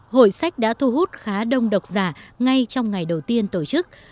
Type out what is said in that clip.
hội sách đã thu hút khá đông độc giả ngay trong ngày đầu tiên tổ chức